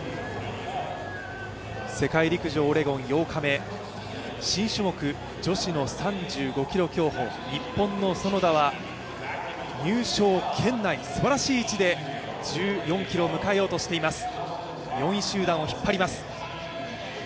世界陸上オレゴン８日目、新種目、女子の３５ｋｍ競歩、日本の園田は入賞圏内、すばらしい位置で１４ｋｍを迎えようとしています。